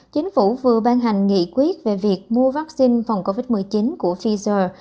chính phủ vừa ban hành nghị quyết về việc mua vaccine phòng covid một mươi chín của pfizer